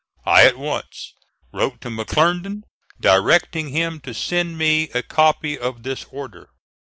I at once wrote to McClernand, directing him to send me a copy of this order.